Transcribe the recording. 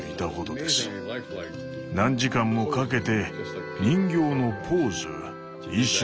何時間もかけて人形のポーズ衣装